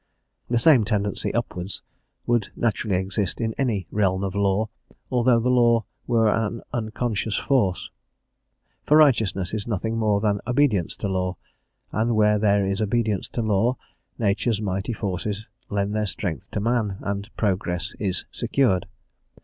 The same tendency upwards would naturally exist in any "realm of law," although the law were an unconscious force. For righteousness is nothing more than obedience to law, and where there is obedience to law, Nature's mighty forces lend their strength to man, and progress is secured.